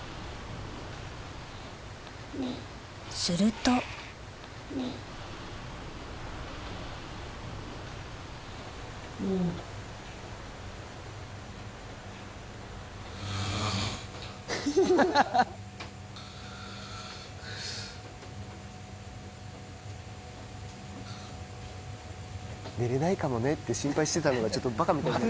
すると寝れないかもねって心配してたのがバカみたい。